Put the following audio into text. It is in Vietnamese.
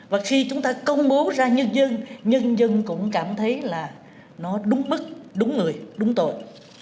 và khi chúng ta công bố ra nhân dân nhân dân cũng cảm thấy là nó đúng bức đúng người đúng tội